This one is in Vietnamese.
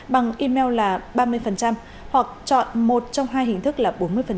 bằng email là ba mươi hoặc chọn một trong hai hình thức là bốn mươi